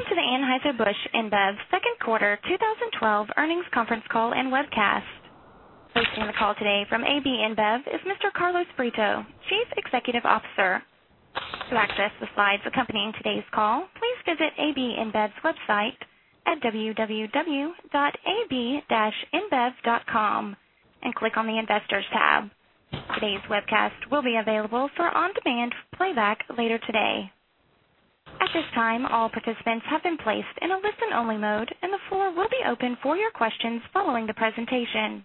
Welcome to the Anheuser-Busch InBev second quarter 2012 earnings conference call and webcast. Hosting the call today from AB InBev is Mr. Carlos Brito, Chief Executive Officer. To access the slides accompanying today's call, please visit www.ab-inbev.com and click on the Investors tab. Today's webcast will be available for on-demand playback later today. At this time, all participants have been placed in a listen-only mode. The floor will be open for your questions following the presentation.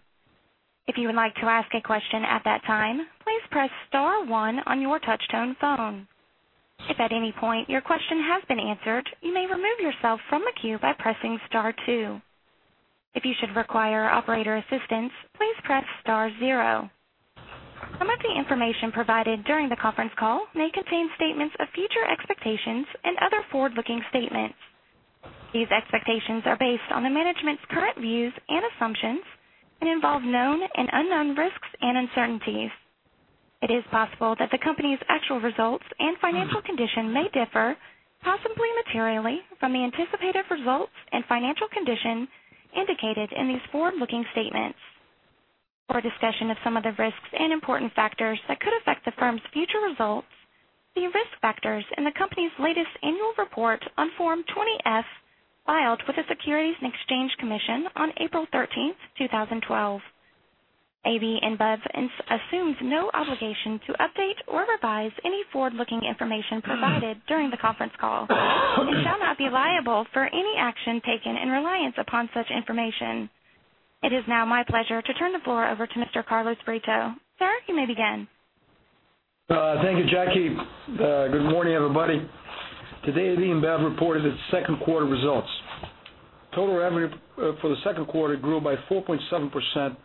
If you would like to ask a question at that time, please press star one on your touch-tone phone. If at any point your question has been answered, you may remove yourself from the queue by pressing star two. If you should require operator assistance, please press star zero. Some of the information provided during the conference call may contain statements of future expectations and other forward-looking statements. These expectations are based on the management's current views and assumptions and involve known and unknown risks and uncertainties. It is possible that the company's actual results and financial condition may differ, possibly materially, from the anticipated results and financial condition indicated in these forward-looking statements. For a discussion of some of the risks and important factors that could affect the firm's future results, see risk factors in the company's latest annual report on Form 20-F filed with the Securities and Exchange Commission on April 13th, 2012. AB InBev assumes no obligation to update or revise any forward-looking information provided during the conference call. It shall not be liable for any action taken in reliance upon such information. It is now my pleasure to turn the floor over to Mr. Carlos Brito. Sir, you may begin. Thank you, Jackie. Good morning, everybody. Today, AB InBev reported its second quarter results. Total revenue for the second quarter grew by 4.7%,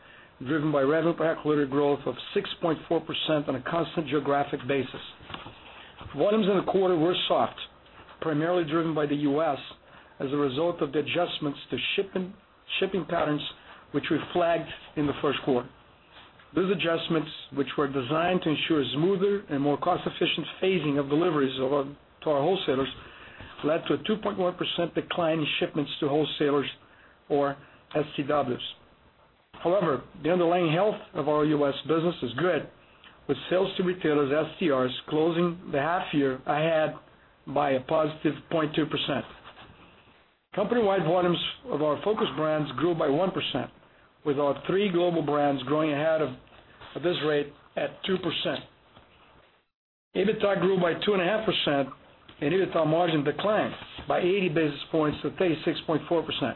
driven by revenue per hectoliter growth of 6.4% on a constant geographic basis. Volumes in the quarter were soft, primarily driven by the U.S. as a result of the adjustments to shipping patterns, which we flagged in the first quarter. These adjustments, which were designed to ensure smoother and more cost-efficient phasing of deliveries to our wholesalers, led to a 2.1% decline in shipments to wholesalers or STWs. However, the underlying health of our U.S. business is good, with sales to retailers, STRs, closing the half year ahead by a positive 0.2%. Company-wide volumes of our focused brands grew by 1%, with our three global brands growing ahead of this rate at 2%. EBITDA grew by 2.5%, and EBITDA margin declined by 80 basis points to 36.4%.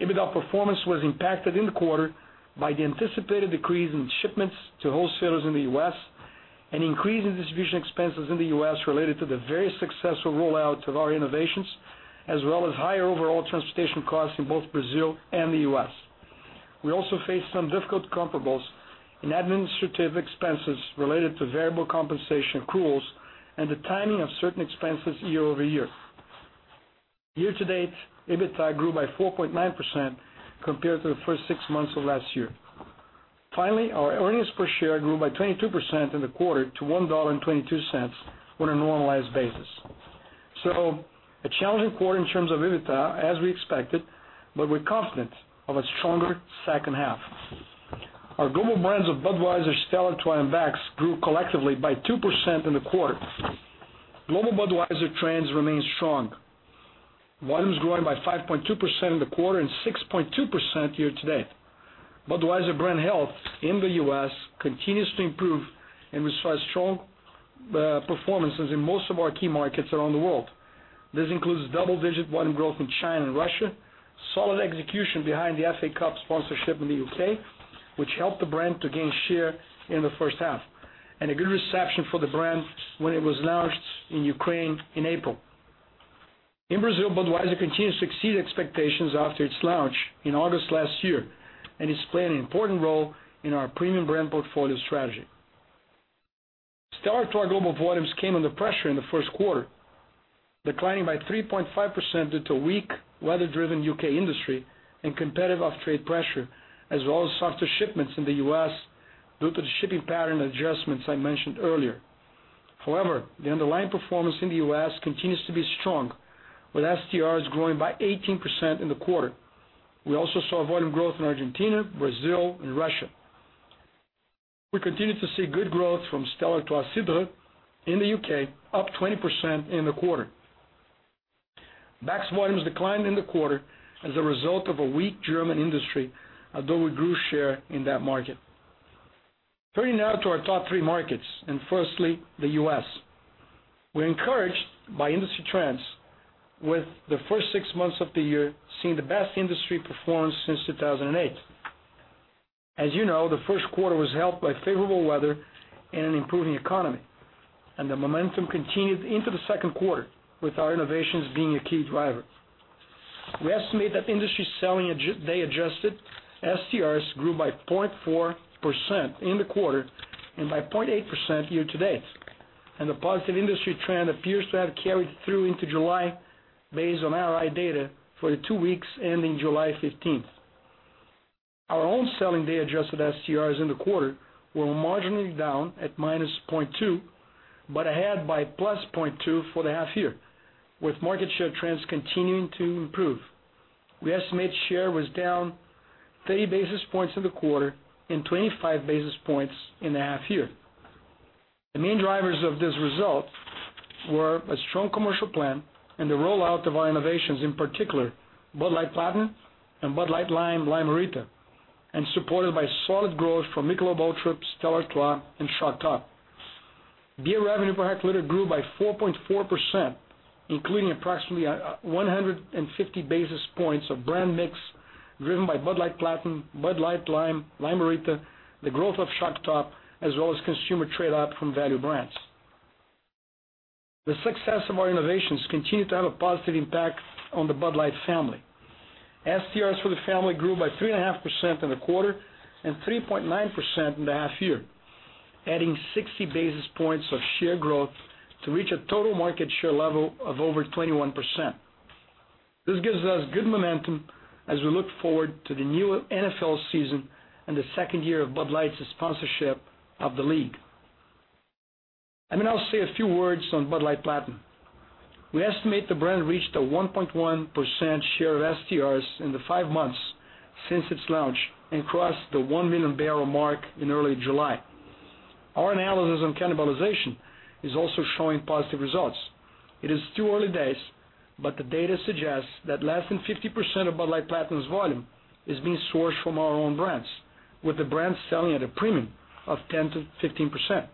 EBITDA performance was impacted in the quarter by the anticipated decrease in shipments to wholesalers in the U.S. and increase in distribution expenses in the U.S. related to the very successful rollout of our innovations, as well as higher overall transportation costs in both Brazil and the U.S. We also faced some difficult comparables in administrative expenses related to variable compensation accruals and the timing of certain expenses year-over-year. Year-to-date, EBITDA grew by 4.9% compared to the first six months of last year. Our earnings per share grew by 22% in the quarter to $1.22 on a normalized basis. A challenging quarter in terms of EBITDA, as we expected, but we're confident of a stronger second half. Our global brands of Budweiser, Stella Artois, and Beck's grew collectively by 2% in the quarter. Global Budweiser trends remain strong. Volumes growing by 5.2% in the quarter and 6.2% year-to-date. Budweiser brand health in the U.S. continues to improve and we saw strong performances in most of our key markets around the world. This includes double-digit volume growth in China and Russia, solid execution behind the FA Cup sponsorship in the U.K., which helped the brand to gain share in the first half, and a good reception for the brand when it was launched in Ukraine in April. In Brazil, Budweiser continues to exceed expectations after its launch in August last year and is playing an important role in our premium brand portfolio strategy. Stella Artois global volumes came under pressure in the first quarter, declining by 3.5% due to a weak weather-driven U.K. industry and competitive off-trade pressure, as well as softer shipments in the U.S. due to the shipping pattern adjustments I mentioned earlier. The underlying performance in the U.S. continues to be strong, with STRs growing by 18% in the quarter. We also saw volume growth in Argentina, Brazil, and Russia. We continue to see good growth from Stella Artois Cidre in the U.K., up 20% in the quarter. Beck's volumes declined in the quarter as a result of a weak German industry, although we grew share in that market. Turning now to our top three markets, and firstly, the U.S. We're encouraged by industry trends, with the first six months of the year seeing the best industry performance since 2008. As you know, the first quarter was helped by favorable weather and an improving economy, and the momentum continued into the second quarter, with our innovations being a key driver. We estimate that industry selling day adjusted STRs grew by 0.4% in the quarter and by 0.8% year-to-date. The positive industry trend appears to have carried through into July based on IRI data for the two weeks ending July 15th. Our own selling day adjusted STRs in the quarter were marginally down at -0.2, but ahead by +0.2 for the half-year, with market share trends continuing to improve. We estimate share was down 30 basis points in the quarter and 25 basis points in the half year. The main drivers of this result were a strong commercial plan and the rollout of our innovations, in particular, Bud Light Platinum and Bud Light Lime Lime-A-Rita, and supported by solid growth from Michelob ULTRA, Stella Artois and Shock Top. Beer revenue per hectoliter grew by 4.4%, including approximately 150 basis points of brand mix driven by Bud Light Platinum, Bud Light Lime Lime-A-Rita, the growth of Shock Top, as well as consumer trade up from value brands. The success of our innovations continue to have a positive impact on the Bud Light family. STRs for the family grew by 3.5% in the quarter and 3.9% in the half year, adding 60 basis points of share growth to reach a total market share level of over 21%. This gives us good momentum as we look forward to the new NFL season and the second year of Bud Light's sponsorship of the league. Let me now say a few words on Bud Light Platinum. We estimate the brand reached a 1.1% share of STRs in the five months since its launch and crossed the 1 million barrel mark in early July. Our analysis on cannibalization is also showing positive results. It is too early days, but the data suggests that less than 50% of Bud Light Platinum's volume is being sourced from our own brands, with the brand selling at a premium of 10%-15%.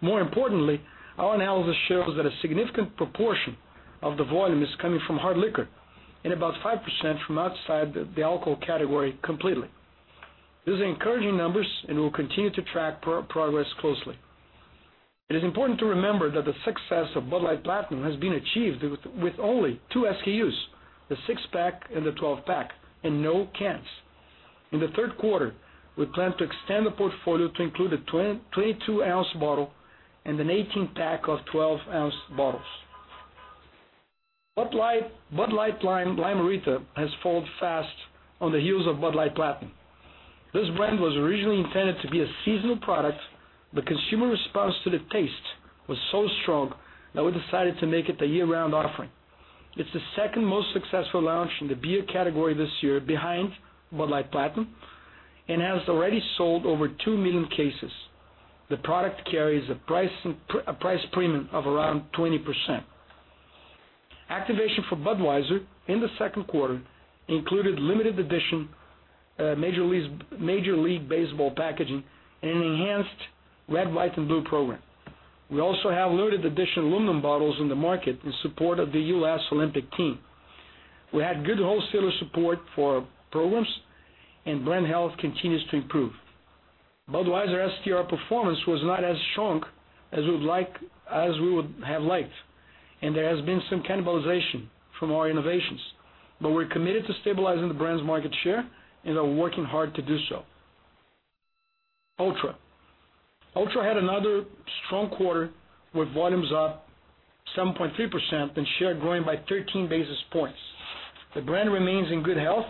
More importantly, our analysis shows that a significant proportion of the volume is coming from hard liquor and about 5% from outside the alcohol category completely. These are encouraging numbers, and we'll continue to track progress closely. It is important to remember that the success of Bud Light Platinum has been achieved with only 2 SKUs, the six-pack and the 12-pack, and no cans. In the third quarter, we plan to extend the portfolio to include a 22-ounce bottle and an 18-pack of 12-ounce bottles. Bud Light Lime Lime-A-Rita has followed fast on the heels of Bud Light Platinum. This brand was originally intended to be a seasonal product, consumer response to the taste was so strong that we decided to make it a year-round offering. It's the second most successful launch in the beer category this year behind Bud Light Platinum and has already sold over 2 million cases. The product carries a price premium of around 20%. Activation for Budweiser in the second quarter included limited edition Major League Baseball packaging and an enhanced Red, White, and Blue program. We also have limited edition aluminum bottles in the market in support of the U.S. Olympic team. We had good wholesaler support for our programs, and brand health continues to improve. Budweiser STR performance was not as strong as we would have liked, there has been some cannibalization from our innovations, we're committed to stabilizing the brand's market share and are working hard to do so. Michelob ULTRA had another strong quarter with volumes up 7.3% and share growing by 13 basis points. The brand remains in good health,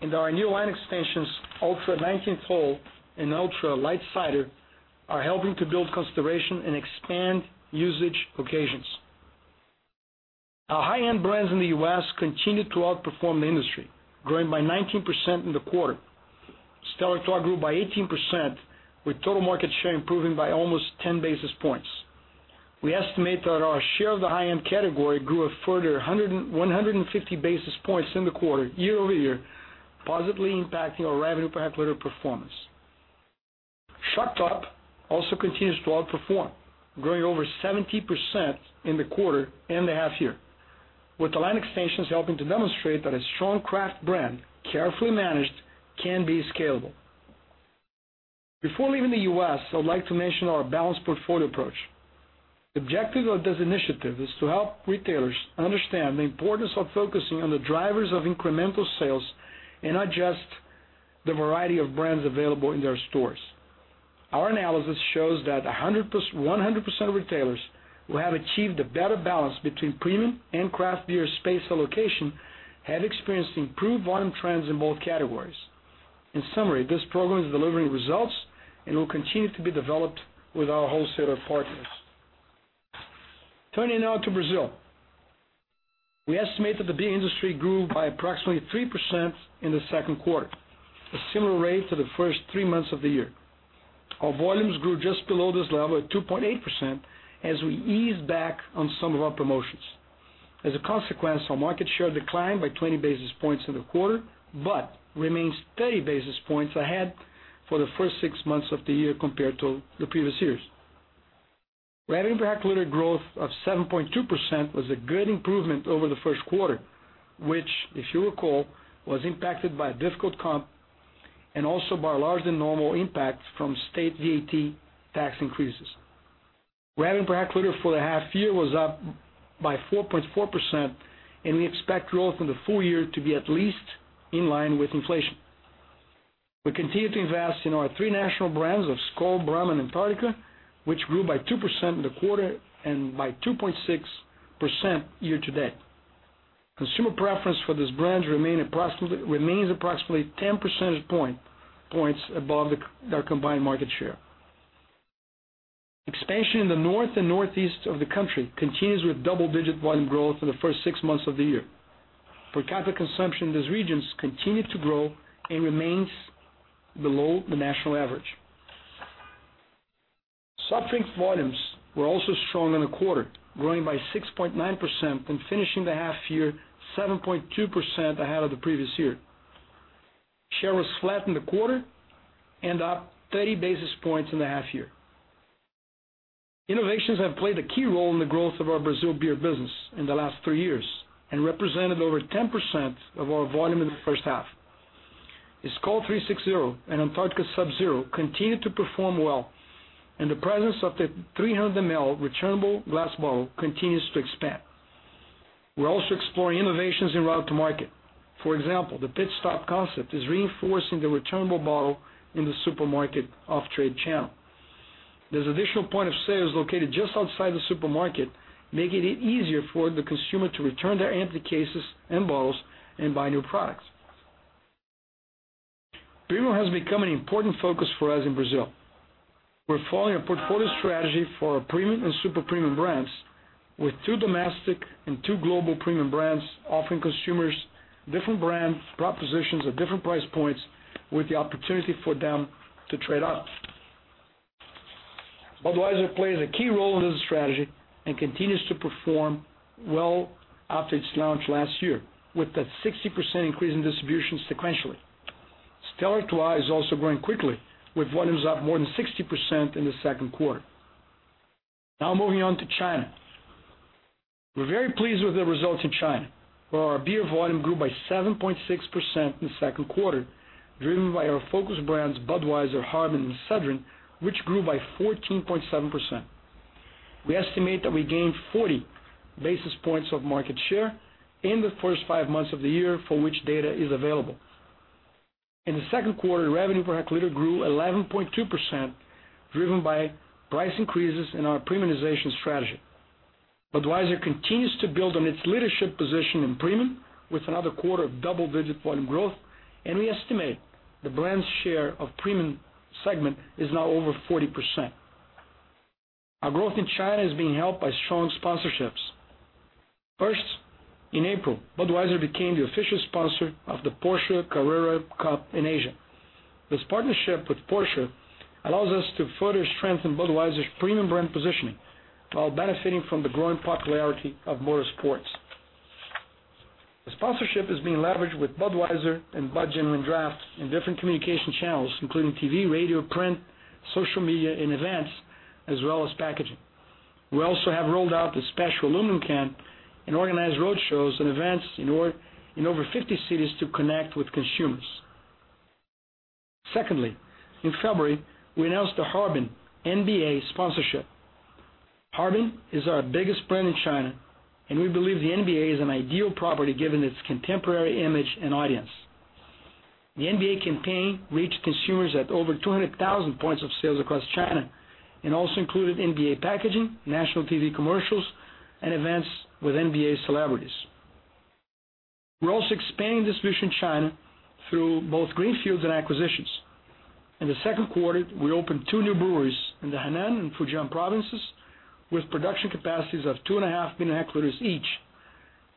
and our new line extensions, ULTRA 19th Hole and Michelob ULTRA Light Cider, are helping to build consideration and expand usage occasions. Our high-end brands in the U.S. continued to outperform the industry, growing by 19% in the quarter. Stella Artois grew by 18%, with total market share improving by almost 10 basis points. We estimate that our share of the high-end category grew a further 150 basis points in the quarter year-over-year, positively impacting our revenue per hectoliter performance. Shock Top also continues to outperform, growing over 17% in the quarter and the half year, with the line extensions helping to demonstrate that a strong craft brand carefully managed can be scalable. Before leaving the U.S., I would like to mention our balanced portfolio approach. The objective of this initiative is to help retailers understand the importance of focusing on the drivers of incremental sales and not just the variety of brands available in their stores. Our analysis shows that 100% of retailers who have achieved a better balance between premium and craft beer space allocation have experienced improved volume trends in both categories. In summary, this program is delivering results and will continue to be developed with our wholesaler partners. Turning now to Brazil. We estimate that the beer industry grew by approximately 3% in the second quarter, a similar rate to the first three months of the year. Our volumes grew just below this level at 2.8% as we eased back on some of our promotions. As a consequence, our market share declined by 20 basis points in the quarter, but remains 30 basis points ahead for the first six months of the year compared to the previous years. Revenue per hectoliter growth of 7.2% was a good improvement over the first quarter, which, if you recall, was impacted by difficult comp and also by larger than normal impact from state VAT tax increases. Revenue per hectoliter for the half year was up by 4.4%, and we expect growth in the full year to be at least in line with inflation. We continue to invest in our three national brands of Skol, Brahma, and Antarctica, which grew by 2% in the quarter and by 2.6% year to date. Consumer preference for this brand remains approximately 10 percentage points above their combined market share. Expansion in the north and northeast of the country continues with double-digit volume growth for the first six months of the year. Per capita consumption in these regions continued to grow and remains below the national average. Soft drink volumes were also strong in the quarter, growing by 6.9% and finishing the half year 7.2% ahead of the previous year. Share was flat in the quarter and up 30 basis points in the half year. Innovations have played a key role in the growth of our Brazil beer business in the last three years and represented over 10% of our volume in the first half. Skol 360 and Antarctica Sub Zero continued to perform well, and the presence of the 300ml returnable glass bottle continues to expand. We're also exploring innovations in route to market. For example, the pit stop concept is reinforcing the returnable bottle in the supermarket off-trade channel. This additional point of sale is located just outside the supermarket, making it easier for the consumer to return their empty cases and bottles and buy new products. Premium has become an important focus for us in Brazil. We're following a portfolio strategy for our premium and super premium brands, with two domestic and two global premium brands offering consumers different brand propositions at different price points with the opportunity for them to trade up. Budweiser plays a key role in this strategy and continues to perform well after its launch last year, with a 60% increase in distribution sequentially. Stella Artois is also growing quickly, with volumes up more than 60% in the second quarter. Now moving on to China. We're very pleased with the results in China, where our beer volume grew by 7.6% in the second quarter, driven by our focus brands Budweiser, Harbin, and Sedrin, which grew by 14.7%. We estimate that we gained 40 basis points of market share in the first five months of the year for which data is available. In the second quarter, revenue per hectoliter grew 11.2%, driven by price increases in our premiumization strategy. Budweiser continues to build on its leadership position in premium with another quarter of double-digit volume growth, and we estimate the brand's share of premium segment is now over 40%. Our growth in China is being helped by strong sponsorships. First, in April, Budweiser became the official sponsor of the Porsche Carrera Cup in Asia. This partnership with Porsche allows us to further strengthen Budweiser's premium brand positioning while benefiting from the growing popularity of motorsports. The sponsorship is being leveraged with Budweiser and Bud Genuine Draft in different communication channels, including TV, radio, print, social media, and events, as well as packaging. We also have rolled out a special aluminum can and organized road shows and events in over 50 cities to connect with consumers. Secondly, in February, we announced the Harbin NBA sponsorship. Harbin is our biggest brand in China, and we believe the NBA is an ideal property given its contemporary image and audience. The NBA campaign reached consumers at over 200,000 points of sales across China and also included NBA packaging, national TV commercials, and events with NBA celebrities. We are also expanding distribution in China through both greenfields and acquisitions. In the second quarter, we opened two new breweries in the Henan and Fujian provinces with production capacities of two and a half million hectoliters each.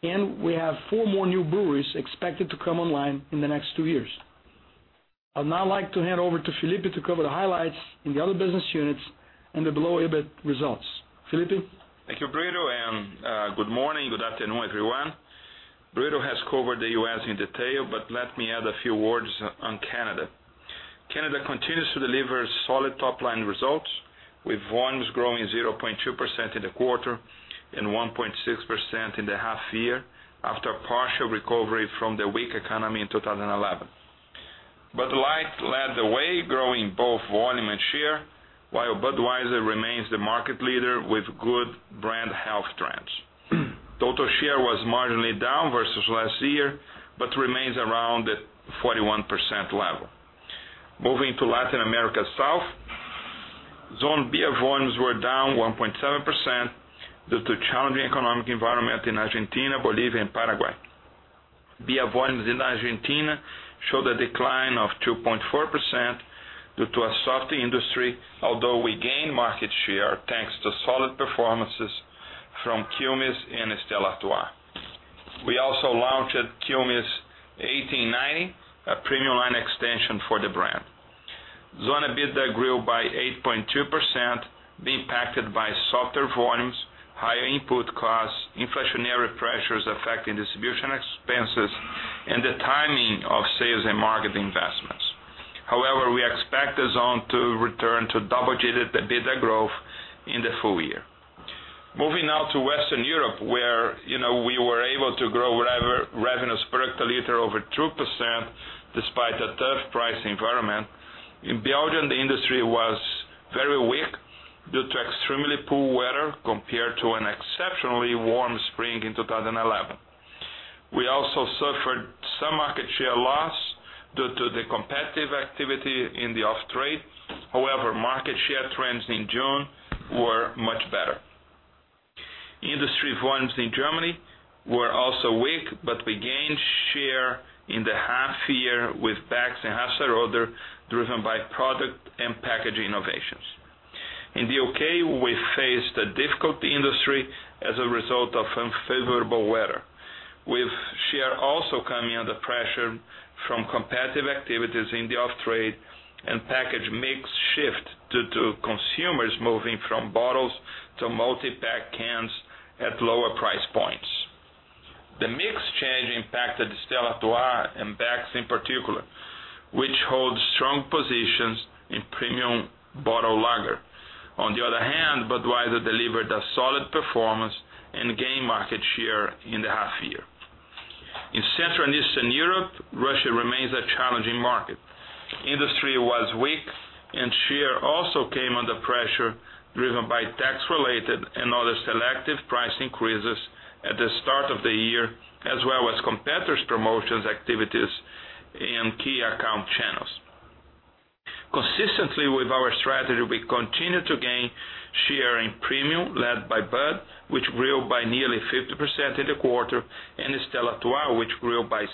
We have four more new breweries expected to come online in the next two years. I would now like to hand over to Felipe to cover the highlights in the other business units and the below EBIT results. Felipe? Thank you, Brito, and good morning, good afternoon, everyone. Brito has covered the U.S. in detail, but let me add a few words on Canada. Canada continues to deliver solid top-line results, with volumes growing 0.2% in the quarter and 1.6% in the half year after a partial recovery from the weak economy in 2011. Bud Light led the way, growing both volume and share, while Budweiser remains the market leader with good brand health trends. Total share was marginally down versus last year, but remains around the 41% level. Moving to Latin America South, Zone beer volumes were down 1.7% due to challenging economic environment in Argentina, Bolivia, and Paraguay. Beer volumes in Argentina showed a decline of 2.4% due to a soft industry, although we gained market share thanks to solid performances from Quilmes and Stella Artois. We also launched Quilmes 1890, a premium line extension for the brand. Zone beer did grow by 8.2%, being impacted by softer volumes, higher input costs, inflationary pressures affecting distribution expenses, and the timing of sales and marketing investments. However, we expect the zone to return to double-digit EBITDA growth in the full year. Moving now to Western Europe, where we were able to grow revenues per hectoliter over 2% despite a tough price environment. In Belgium, the industry was very weak due to extremely poor weather compared to an exceptionally warm spring in 2011. We also suffered some market share loss due to the competitive activity in the off-trade. However, market share trends in June were much better. Industry volumes in Germany were also weak, we gained share in the half-year with Beck's and Hasseröder, driven by product and package innovations. In the U.K., we faced a difficult industry as a result of unfavorable weather, with share also coming under pressure from competitive activities in the off-trade and package mix shift due to consumers moving from bottles to multi-pack cans at lower price points. The mix change impacted Stella Artois and Beck's in particular, which holds strong positions in premium bottle lager. On the other hand, Budweiser delivered a solid performance and gained market share in the half-year. In Central and Eastern Europe, Russia remains a challenging market. Industry was weak and share also came under pressure driven by tax-related and other selective price increases at the start of the year, as well as competitors' promotions activities in key account channels. Consistently with our strategy, we continue to gain share in premium, led by Bud, which grew by nearly 50% in the quarter, and Stella Artois, which grew by 6%.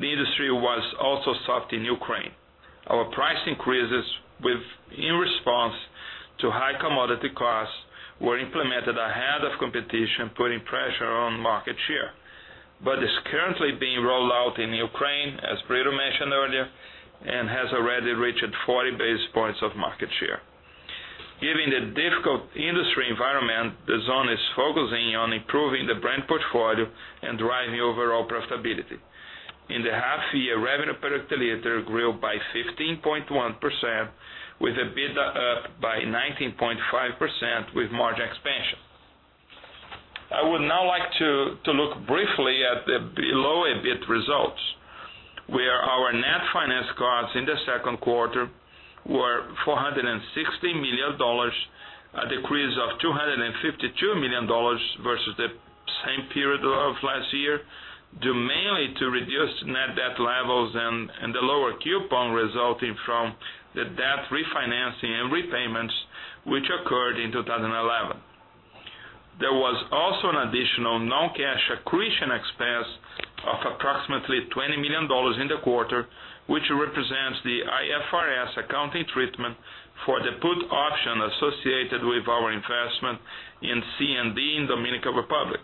The industry was also soft in Ukraine. Our price increases in response to high commodity costs were implemented ahead of competition, putting pressure on market share. Bud is currently being rolled out in Ukraine, as Brito mentioned earlier, and has already reached 40 basis points of market share. Given the difficult industry environment, the zone is focusing on improving the brand portfolio and driving overall profitability. In the half-year, revenue per hectoliter grew by 15.1%, with EBITDA up by 19.5% with margin expansion. I would now like to look briefly at the below EBIT results, where our net finance costs in the second quarter were $460 million, a decrease of $252 million versus the same period of last year, due mainly to reduced net debt levels and the lower coupon resulting from the debt refinancing and repayments which occurred in 2011. There was also an additional non-cash accretion expense of approximately $20 million in the quarter, which represents the IFRS accounting treatment for the put option associated with our investment in CND in Dominican Republic.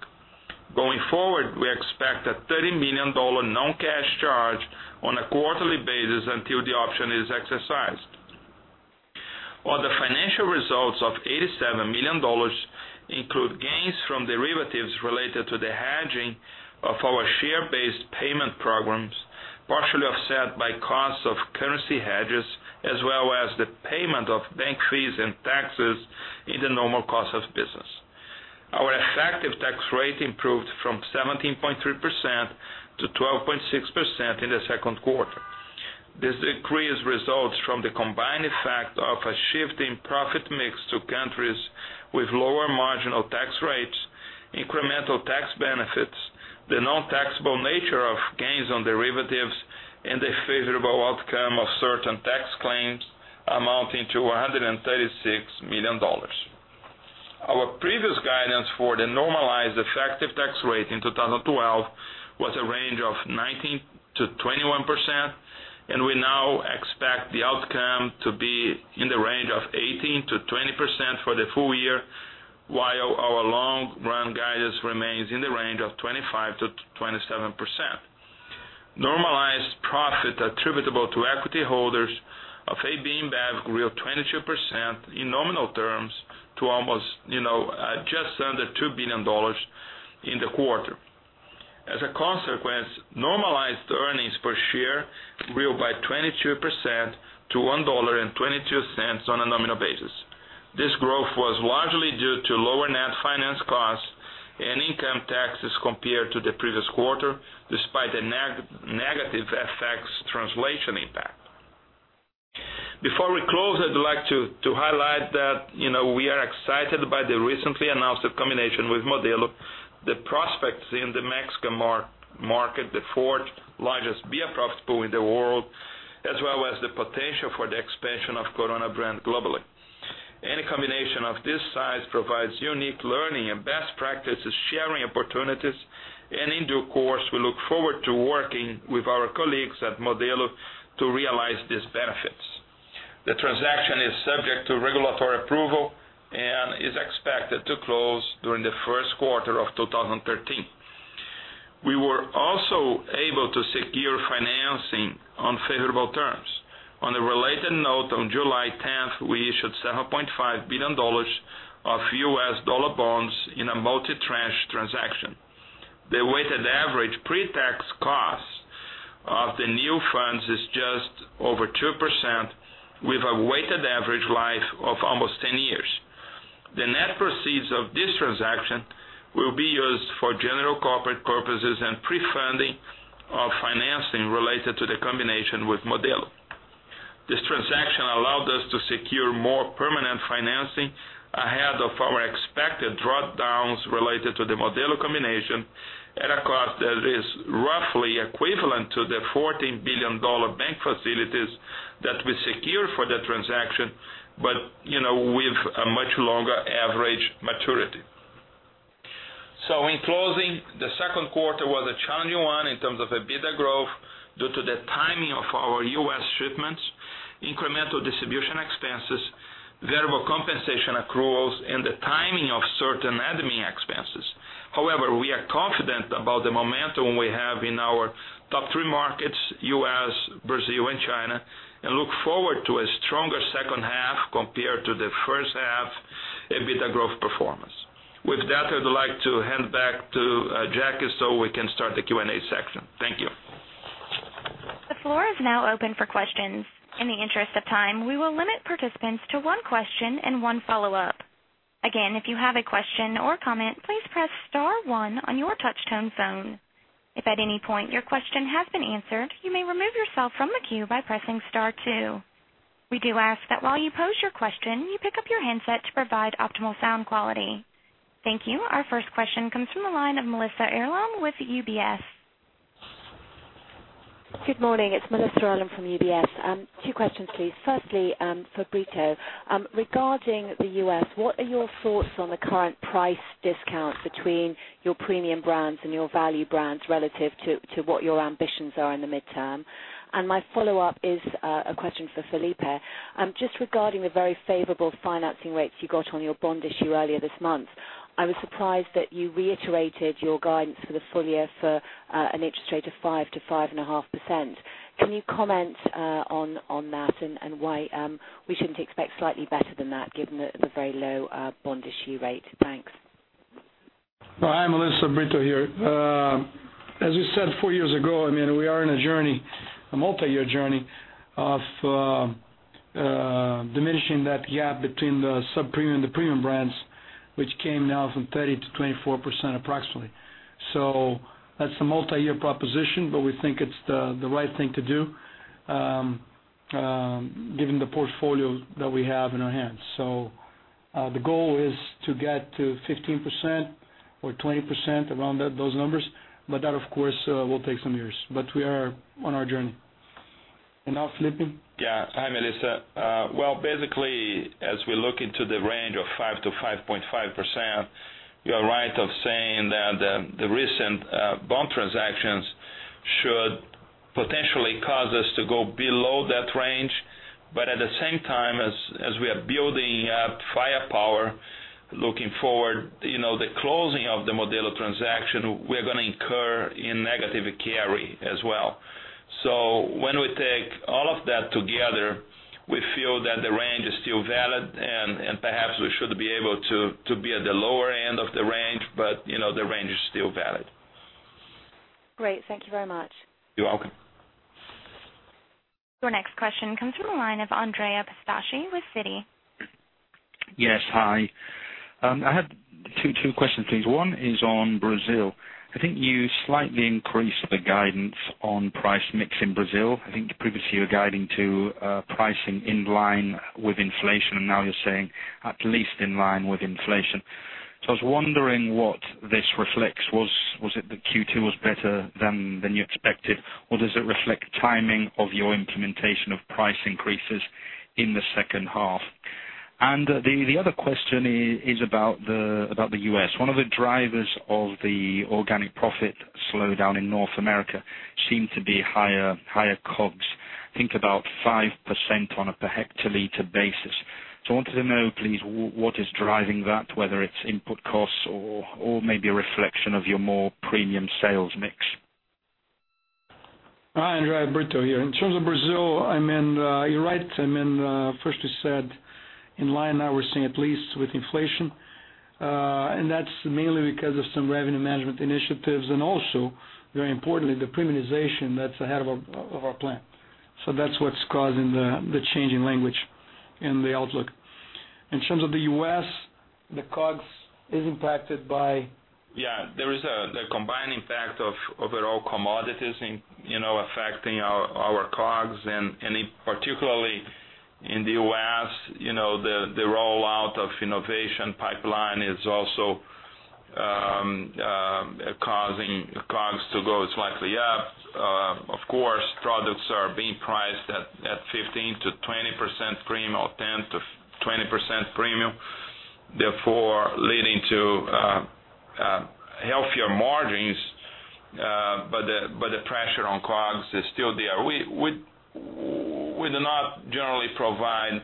Going forward, we expect a $30 million non-cash charge on a quarterly basis until the option is exercised. Other financial results of $87 million include gains from derivatives related to the hedging of our share-based payment programs, partially offset by costs of currency hedges, as well as the payment of bank fees and taxes in the normal cost of business. Our effective tax rate improved from 17.3% to 12.6% in the second quarter. This decrease results from the combined effect of a shift in profit mix to countries with lower marginal tax rates, incremental tax benefits, the non-taxable nature of gains on derivatives, and the favorable outcome of certain tax claims amounting to $136 million. Our previous guidance for the normalized effective tax rate in 2012 was a range of 19%-21%, and we now expect the outcome to be in the range of 18%-20% for the full year, while our long-run guidance remains in the range of 25%-27%. Normalized profit attributable to equity holders of AB InBev grew 22% in nominal terms to just under $2 billion in the quarter. As a consequence, normalized earnings per share grew by 22% to $1.22 on a nominal basis. This growth was largely due to lower net finance costs and income taxes compared to the previous quarter, despite the negative FX translation impact. Before we close, I'd like to highlight that we are excited by the recently announced combination with Modelo, the prospects in the Mexican market, the fourth largest beer profit pool in the world, as well as the potential for the expansion of Corona globally. Any combination of this size provides unique learning and best practices sharing opportunities, and in due course, we look forward to working with our colleagues at Modelo to realize these benefits. The transaction is subject to regulatory approval and is expected to close during the first quarter of 2013. We were also able to secure financing on favorable terms. On a related note, on July 10th, we issued $7.5 billion of U.S. dollar bonds in a multi-tranche transaction. The weighted average pre-tax cost of the new funds is just over 2% with a weighted average life of almost 10 years. The net proceeds of this transaction will be used for general corporate purposes and pre-funding of financing related to the combination with Modelo. The drawdowns related to the Modelo combination at a cost that is roughly equivalent to the $14 billion bank facilities that we secure for the transaction, but with a much longer average maturity. In closing, the second quarter was a challenging one in terms of EBITDA growth due to the timing of our U.S. shipments, incremental distribution expenses, variable compensation accruals, and the timing of certain admin expenses. However, we are confident about the momentum we have in our top three markets, U.S., Brazil, and China, and look forward to a stronger second half compared to the first half EBITDA growth performance. With that, I'd like to hand back to Jackie so we can start the Q&A section. Thank you. The floor is now open for questions. In the interest of time, we will limit participants to one question and one follow-up. Again, if you have a question or comment, please press star one on your touch-tone phone. If at any point your question has been answered, you may remove yourself from the queue by pressing star two. We do ask that while you pose your question, you pick up your handset to provide optimal sound quality. Thank you. Our first question comes from the line of Melissa Earlam with UBS. Good morning. It's Melissa Earlam from UBS. Two questions, please. Firstly, for Brito. Regarding the U.S., what are your thoughts on the current price discounts between your premium brands and your value brands relative to what your ambitions are in the midterm? My follow-up is a question for Felipe. Just regarding the very favorable financing rates you got on your bond issue earlier this month, I was surprised that you reiterated your guidance for the full year for an interest rate of 5%-5.5%. Can you comment on that and why we shouldn't expect slightly better than that given the very low bond issue rate? Thanks. Hi, Melissa. Brito here. As we said 4 years ago, we are on a multi-year journey of diminishing that gap between the sub-premium and the premium brands, which came now from 30% to 24% approximately. That's a multi-year proposition, we think it's the right thing to do given the portfolio that we have in our hands. The goal is to get to 15% or 20%, around those numbers. That, of course, will take some years, we are on our journey. Now, Felipe. Hi, Melissa. Basically, as we look into the range of 5%-5.5%, you're right of saying that the recent bond transactions should potentially cause us to go below that range. At the same time, as we are building up firepower looking forward, the closing of the Modelo transaction, we're going to incur in negative carry as well. When we take all of that together, we feel that the range is still valid, and perhaps we should be able to be at the lower end of the range, the range is still valid. Great. Thank you very much. You're welcome. Your next question comes from the line of Andrea Pistacchi with Citi. Yes. Hi. I have two questions, please. One is on Brazil. I think you slightly increased the guidance on price mix in Brazil. I think previously you were guiding to pricing in line with inflation, now you're saying at least in line with inflation. I was wondering what this reflects. Was it that Q2 was better than you expected, or does it reflect timing of your implementation of price increases in the second half? The other question is about the U.S. One of the drivers of the organic profit slowdown in North America seemed to be higher cogs, I think about 5% on a per hectoliter basis. I wanted to know, please, what is driving that, whether it's input costs or maybe a reflection of your more premium sales mix. Hi, Andrea. Brito here. In terms of Brazil, you're right. First we said in line, now we're saying at least with inflation. That's mainly because of some revenue management initiatives and also, very importantly, the premiumization that's ahead of our plan. That's what's causing the change in language in the outlook. In terms of the U.S., the cogs is impacted by- There is the combined impact of overall commodities affecting our cogs, and particularly in the U.S., the rollout of innovation pipeline is also causing cogs to go slightly up. Of course, products are being priced at 15%-20% premium or 10%-20% premium, therefore leading to healthier margins. The pressure on cogs is still there. We do not generally provide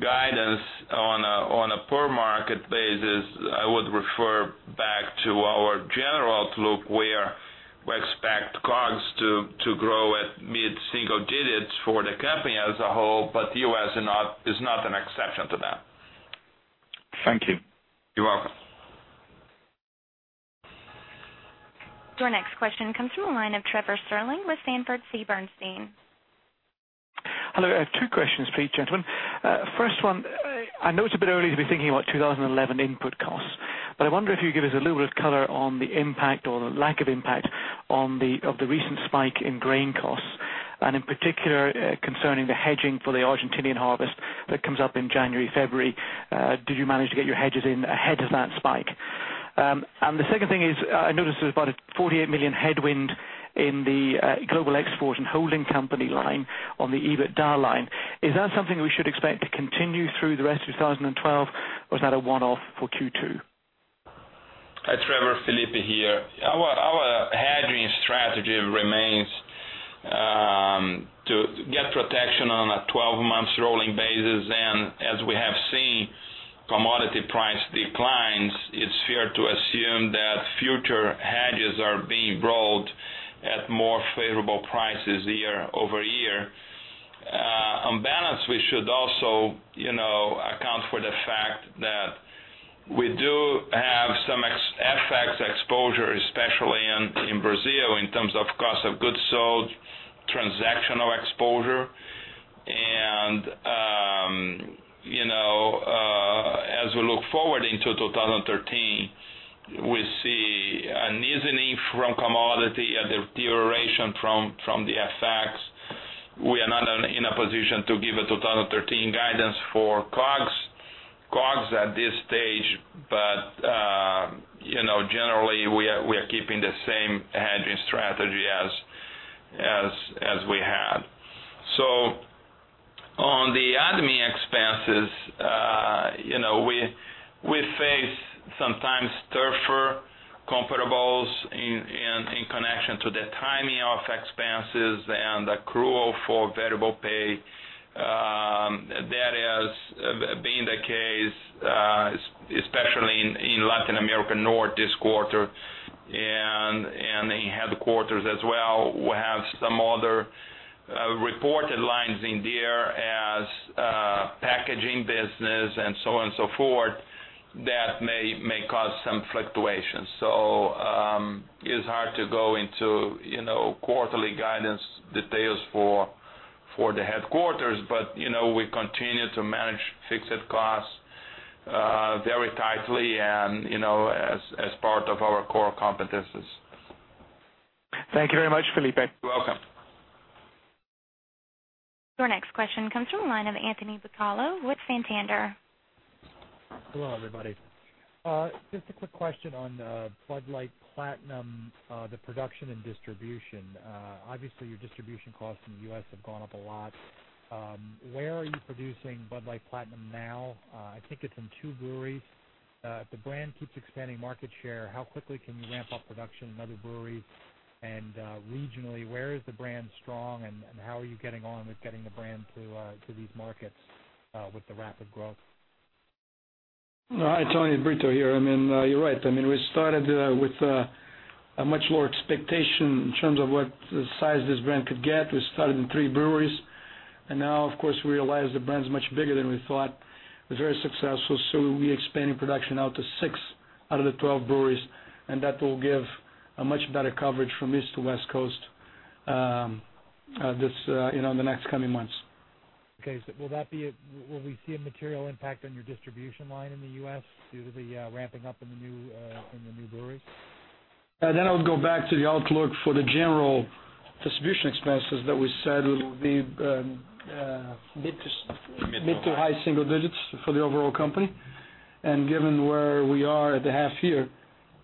guidance on a per market basis. I would refer back to our general outlook, where we expect cogs to grow at mid single digits for the company as a whole. U.S. is not an exception to that. Thank you. You're welcome. Your next question comes from the line of Trevor Stirling with Sanford C. Bernstein. Hello. I have two questions for you, gentlemen. First one, I know it's a bit early to be thinking about 2011 input costs, but I wonder if you could give us a little bit of color on the impact or the lack of impact of the recent spike in grain costs. In particular, concerning the hedging for the Argentinian harvest that comes up in January, February, did you manage to get your hedges in ahead of that spike? The second thing is, I noticed there's about a $48 million headwind in the global export and holding company line on the EBITDA line. Is that something we should expect to continue through the rest of 2012, or is that a one-off for Q2? Hi, Trevor, Felipe here. Our hedging strategy remains to get protection on a 12-month rolling basis. As we have seen commodity price declines, it's fair to assume that future hedges are being rolled at more favorable prices year-over-year. On balance, we should also account for the fact that we do have some FX exposure, especially in Brazil, in terms of cost of goods sold, transactional exposure. As we look forward into 2013, we see an easing from commodity and a deterioration from the FX. We are not in a position to give a 2013 guidance for COGS at this stage. Generally, we are keeping the same hedging strategy as we had. On the admin expenses, we face sometimes tougher comparables in connection to the timing of expenses and accrual for variable pay. That has been the case, especially in Latin America North this quarter and in headquarters as well. We have some other reported lines in there as packaging business and so on and so forth, that may cause some fluctuations. It's hard to go into quarterly guidance details for the headquarters, but we continue to manage fixed costs very tightly and as part of our core competencies. Thank you very much, Felipe. You're welcome. Your next question comes from the line of Anthony Bucalo with Santander. Hello, everybody. Just a quick question on Bud Light Platinum, the production and distribution. Obviously, your distribution costs in the U.S. have gone up a lot. Where are you producing Bud Light Platinum now? I think it's in two breweries. If the brand keeps expanding market share, how quickly can you ramp up production in other breweries? Regionally, where is the brand strong, and how are you getting on with getting the brand to these markets with the rapid growth? Hi, Tony. Brito here. You're right. We started with a much lower expectation in terms of what size this brand could get. We started in three breweries. Now, of course, we realize the brand's much bigger than we thought. It's very successful, so we'll be expanding production out to six out of the 12 breweries, and that will give a much better coverage from East to West Coast in the next coming months. Okay. Will we see a material impact on your distribution line in the U.S. due to the ramping up in the new breweries? I would go back to the outlook for the general distribution expenses that we said will be mid to high single digits for the overall company. Given where we are at the half year,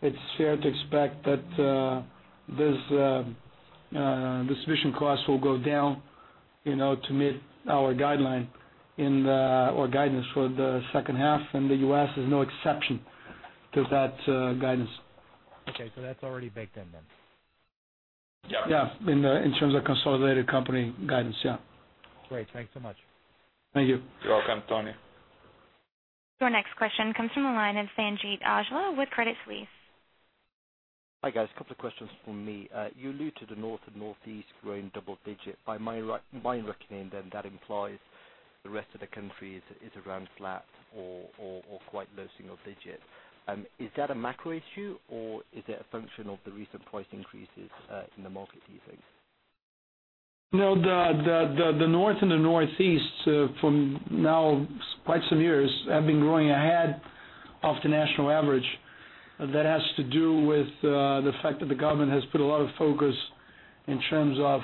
it is fair to expect that distribution costs will go down to meet our guideline or guidance for the second half, and the U.S. is no exception to that guidance. Okay, that's already baked in then? Yeah. In terms of consolidated company guidance, yeah. Great. Thank you so much. Thank you. You're welcome, Tony. Your next question comes from the line of Sanjeet Aujla with Credit Suisse. Hi, guys. Couple of questions from me. You alluded to the North and Northeast growing double digit. By my reckoning then, that implies the rest of the country is around flat or quite low single digit. Is that a macro issue, or is it a function of the recent price increases in the market do you think? No, the North and the Northeast from now quite some years have been growing ahead of the national average. That has to do with the fact that the government has put a lot of focus in terms of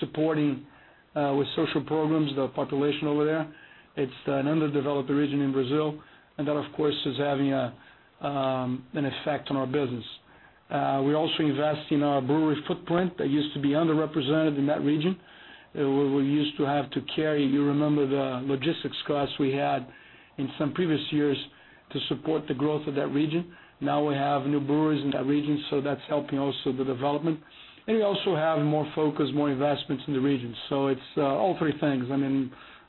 supporting, with social programs, the population over there. It's an underdeveloped region in Brazil. That, of course, is having an effect on our business. We also invest in our brewery footprint that used to be underrepresented in that region. We used to have to carry, you remember, the logistics costs we had in some previous years to support the growth of that region. Now we have new breweries in that region. That's helping also the development. We also have more focus, more investments in the region. It's all three things.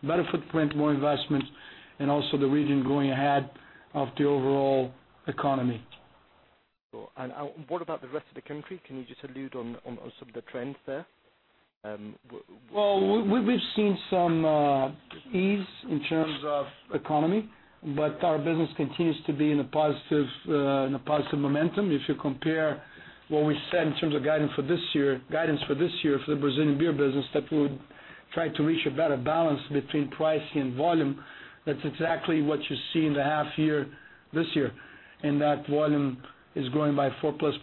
Better footprint, more investment, and also the region growing ahead of the overall economy. Cool. What about the rest of the country? Can you just allude on some of the trends there? Well, we've seen some ease in terms of economy. Our business continues to be in a positive momentum. If you compare what we said in terms of guidance for this year for the Brazilian beer business, that we would try to reach a better balance between pricing and volume. That's exactly what you see in the half year this year. That volume is growing by 4-plus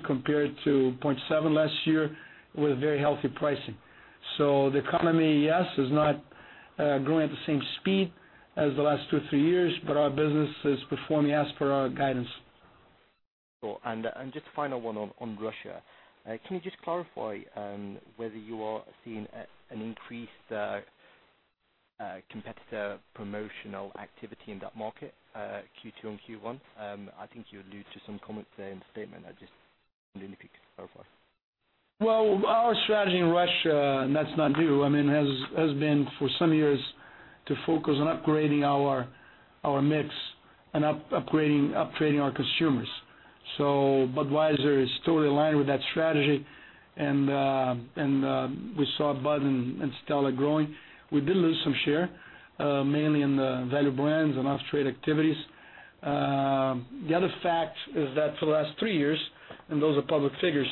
% compared to 0.7% last year with very healthy pricing. The economy, yes, is not growing at the same speed as the last two or three years. Our business is performing as per our guidance. Cool. Just final one on Russia. Can you just clarify whether you are seeing an increased competitor promotional activity in that market, Q2 and Q1? I think you allude to some comments there in the statement. I just want to clarify. Well, our strategy in Russia, and that's not new, has been for some years to focus on upgrading our mix and up-trading our consumers. Budweiser is totally aligned with that strategy and we saw Bud and Stella growing. We did lose some share, mainly in the value brands and off-trade activities. The other fact is that for the last three years, and those are public figures,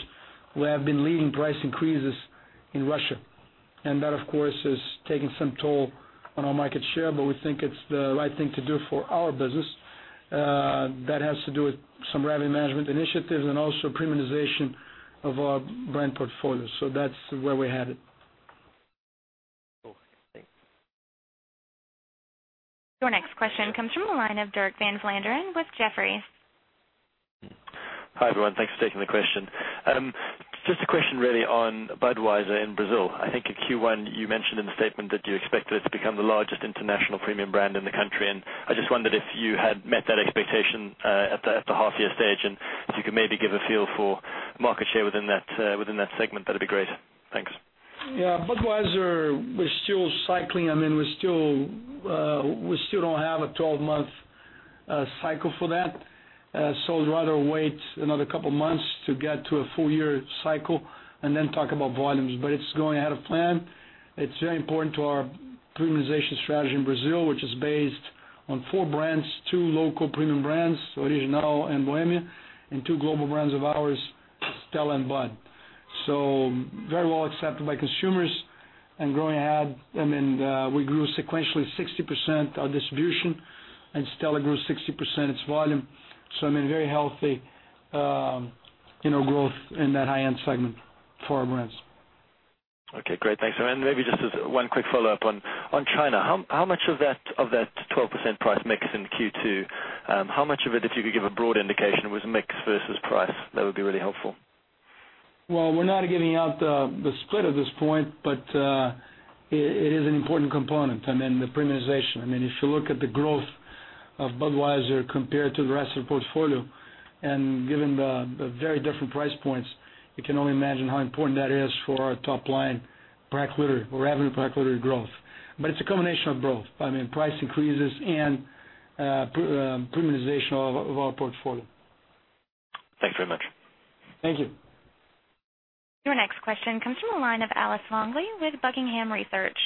we have been leading price increases in Russia. That, of course, has taken some toll on our market share, we think it's the right thing to do for our business. That has to do with some revenue management initiatives and also premiumization of our brand portfolio. That's where we're headed. Cool. Thanks. Your next question comes from the line of Dirk Van Vlaanderen with Jefferies. Hi, everyone. Thanks for taking the question. Just a question really on Budweiser in Brazil. I think in Q1, you mentioned in the statement that you expected it to become the largest international premium brand in the country. I just wondered if you had met that expectation at the half-year stage, if you could maybe give a feel for market share within that segment, that'd be great. Thanks. Budweiser, we're still cycling. We still don't have a 12-month cycle for that. I'd rather wait another couple of months to get to a full-year cycle and then talk about volumes. It's going ahead of plan. It's very important to our premiumization strategy in Brazil, which is based on four brands, two local premium brands, Original and Bohemia, and two global brands of ours, Stella and Bud. So very well accepted by consumers and growing ahead. We grew sequentially 60% our distribution, and Stella grew 60% its volume. So, very healthy growth in that high-end segment for our brands. Okay, great. Thanks. Then maybe just one quick follow-up on China. How much of that 12% price mix in Q2, how much of it, if you could give a broad indication, was mix versus price? That would be really helpful. Well, we're not giving out the split at this point. It is an important component in the premiumization. If you look at the growth of Budweiser compared to the rest of the portfolio and given the very different price points, you can only imagine how important that is for our top-line per hectoliter or revenue per hectoliter growth. It's a combination of growth. Price increases and premiumization of our portfolio. Thanks very much. Thank you. Your next question comes from the line of Alice Longley with Buckingham Research.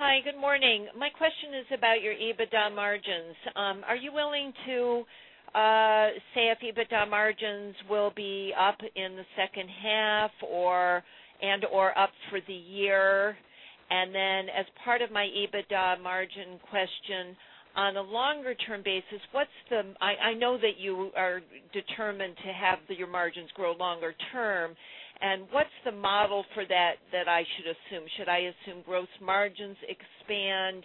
Hi, good morning. My question is about your EBITDA margins. Are you willing to say if EBITDA margins will be up in the second half and/or up for the year? As part of my EBITDA margin question, on a longer-term basis, I know that you are determined to have your margins grow longer term. What's the model for that that I should assume? Should I assume gross margins expand,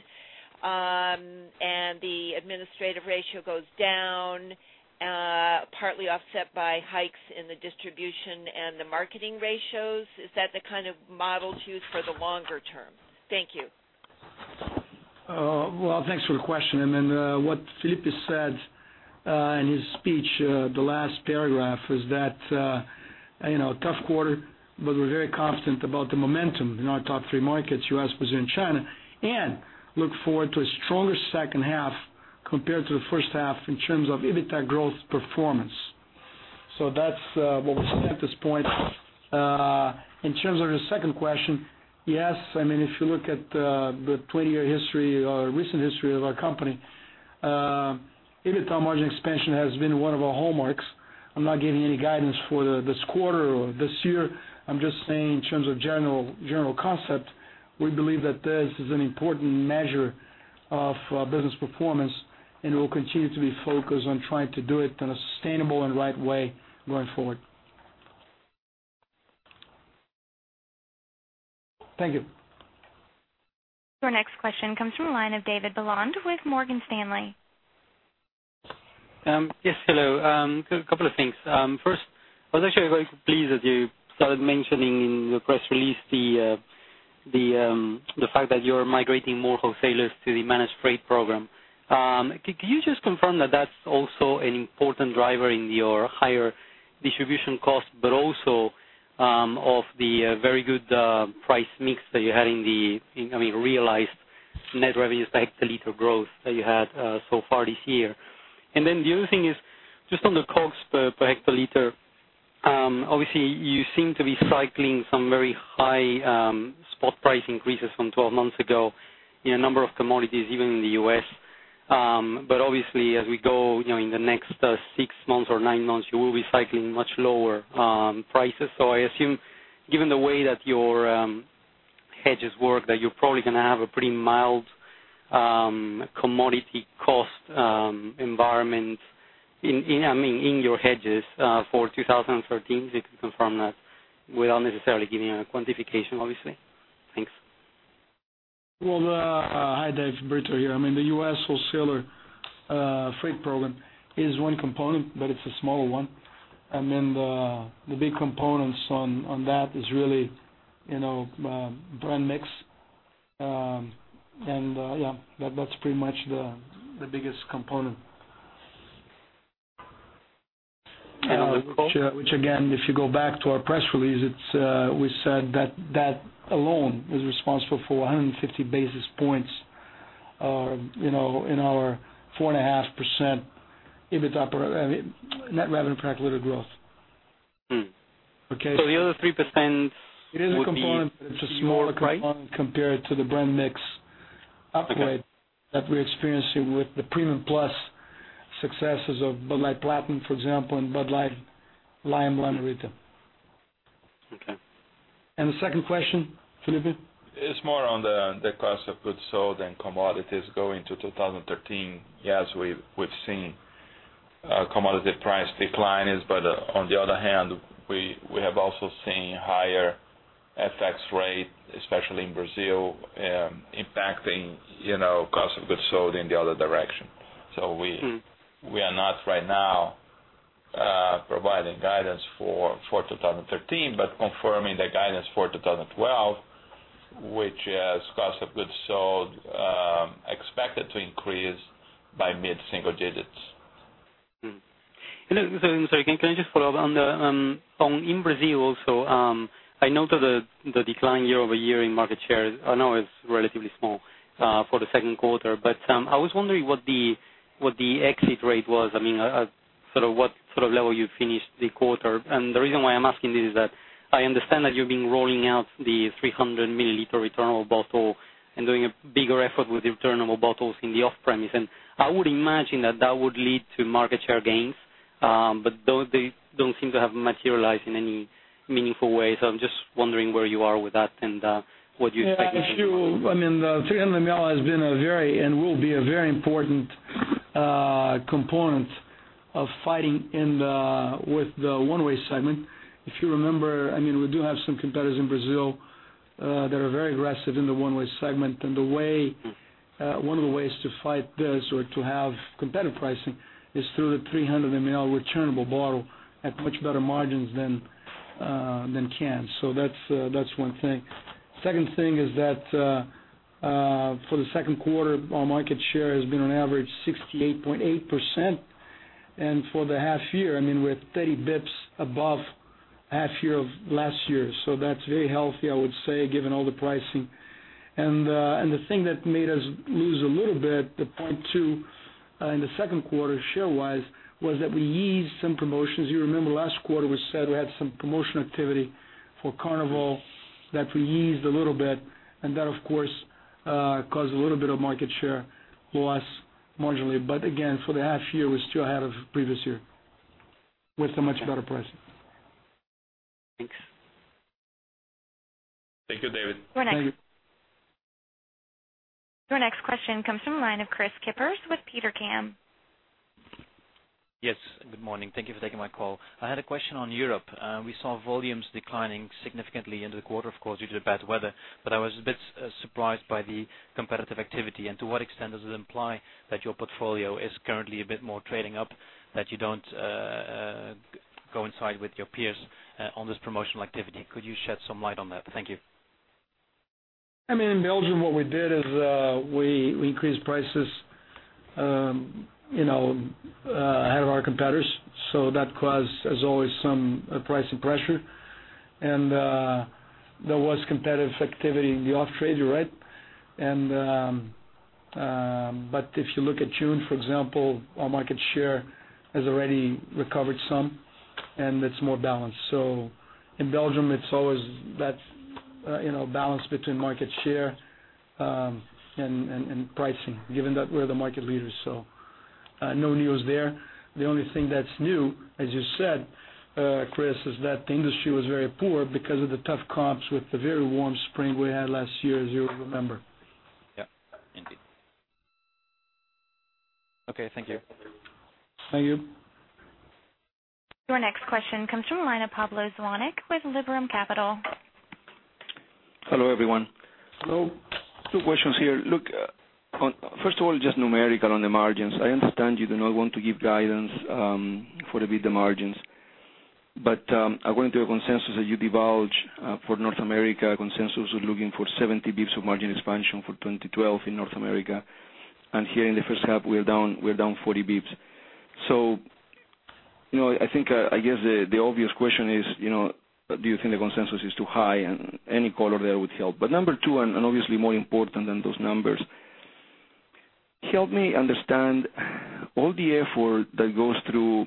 and the administrative ratio goes down, partly offset by hikes in the distribution and the marketing ratios? Is that the kind of model to use for the longer term? Thank you. Well, thanks for the question. What Felipe said in his speech, the last paragraph is that a tough quarter, but we're very confident about the momentum in our top three markets, U.S., Brazil, and China, and look forward to a stronger second half compared to the first half in terms of EBITDA growth performance. That's what we said at this point. In terms of the second question, yes, if you look at the 20-year history or recent history of our company, EBITDA margin expansion has been one of our hallmarks. I'm not giving any guidance for this quarter or this year. I'm just saying in terms of general concept, we believe that this is an important measure of business performance, and we'll continue to be focused on trying to do it in a sustainable and right way going forward. Thank you. Your next question comes from the line of David Belonde with Morgan Stanley. Yes, hello. Couple of things. First, I was actually very pleased that you started mentioning in your press release the fact that you're migrating more wholesalers to the managed freight program. Could you just confirm that that's also an important driver in your higher distribution costs, but also of the very good price mix that you had in the realized net revenues per hectoliter growth that you had so far this year? The other thing is just on the costs per hectoliter. Obviously, you seem to be cycling some very high spot price increases from 12 months ago in a number of commodities, even in the U.S. Obviously, as we go in the next six months or nine months, you will be cycling much lower prices. I assume, given the way that your hedges work, that you're probably going to have a pretty mild commodity cost environment in your hedges for 2013. If you can confirm that without necessarily giving a quantification, obviously. Thanks. Well, hi, Dave. Brito here. The U.S. wholesaler freight program is one component, but it's a smaller one. The big components on that is really brand mix. Yeah, that's pretty much the biggest component. And- Again, if you go back to our press release, we said that alone is responsible for 150 basis points in our 4.5% net revenue per hectoliter growth. Okay? The other 3% would be. It is a component, but it's a smaller component. Right Compared to the brand mix upward. Okay that we're experiencing with the premium plus successes of Bud Light Platinum, for example, and Bud Light Lime-A-Rita. Okay. The second question, Felipe? It's more on the cost of goods sold and commodities going to 2013. Yes, we've seen commodity price declines, but on the other hand, we have also seen higher FX rate, especially in Brazil, impacting cost of goods sold in the other direction. are not right now providing guidance for 2013, but confirming the guidance for 2012, which has cost of goods sold expected to increase by mid-single digits. Hmm. Sorry, can I just follow up? In Brazil also, I know that the decline year-over-year in market share, I know it's relatively small for the second quarter, but I was wondering what the exit rate was, what level you finished the quarter. The reason why I'm asking this is that I understand that you've been rolling out the 300-milliliter returnable bottle and doing a bigger effort with returnable bottles in the off-premise. I would imagine that that would lead to market share gains. They don't seem to have materialized in any meaningful way. I'm just wondering where you are with that and what you expect. Yeah, sure. The 300 ml has been a very, and will be a very important component of fighting with the one-way segment. If you remember, we do have some competitors in Brazil that are very aggressive in the one-way segment. One of the ways to fight this or to have competitive pricing is through the 300 ml returnable bottle at much better margins than cans. That's one thing. Second thing is that for the second quarter, our market share has been on average 68.8%. For the half year, we're 30 basis points above half year of last year. That's very healthy, I would say, given all the pricing. The thing that made us lose a little bit, the 0.2 in the second quarter, share-wise, was that we eased some promotions. You remember last quarter, we said we had some promotion activity for Carnival that we eased a little bit, that, of course, caused a little bit of market share loss marginally. Again, for the half year, we're still ahead of previous year with a much better price. Thanks. Thank you, David. We're next. Thank you. Your next question comes from the line of Kris Kippers with Petercam. Yes. Good morning. Thank you for taking my call. I had a question on Europe. We saw volumes declining significantly into the quarter, of course, due to the bad weather, but I was a bit surprised by the competitive activity and to what extent does it imply that your portfolio is currently a bit more trading up, that you don't coincide with your peers on this promotional activity. Could you shed some light on that? Thank you. In Belgium, what we did is we increased prices ahead of our competitors. That caused, as always, some pricing pressure. There was competitive activity in the off-trade, you're right. If you look at June, for example, our market share has already recovered some, and it's more balanced. In Belgium, it's always that balance between market share and pricing, given that we're the market leaders. No news there. The only thing that's new, as you said, Kris, is that the industry was very poor because of the tough comps with the very warm spring we had last year, as you remember. Yeah. Indeed. Okay. Thank you. Thank you. Your next question comes from the line of Pablo Zuanic with Liberum Capital. Hello, everyone. Hello. Two questions here. Look, first of all, just numerical on the margins. I understand you do not want to give guidance for the EBITDA margins. According to a consensus that you divulged for North America, consensus was looking for 70 basis points of margin expansion for 2012 in North America. Here in the first half, we're down 40 basis points. I think, I guess the obvious question is, do you think the consensus is too high? Any color there would help. Number 2, and obviously more important than those numbers, help me understand all the effort that goes through